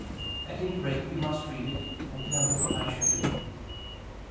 At any rate you must read it, and tell me what I should do."